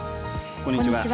こんにちは。